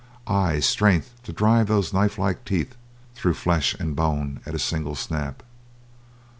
Ay, strength to drive those knife like teeth through flesh and bone at a single snap.